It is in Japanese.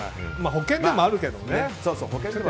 保険でもあるけどね。